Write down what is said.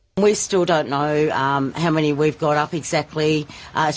kita masih tidak tahu berapa banyak yang telah kita dapat